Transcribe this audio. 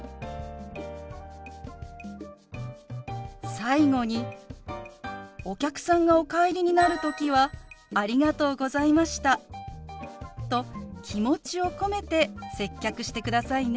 最後にお客さんがお帰りになる時は「ありがとうございました」と気持ちを込めて接客してくださいね。